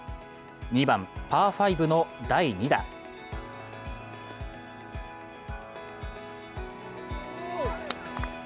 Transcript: ２番パー５の第２打席。